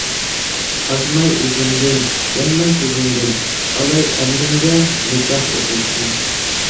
ئازماي ئىزىمدىن، يانماي سۆزۈمدىن، ئالاي ئەمرىمگە نىكاھ ئوقۇلسۇن.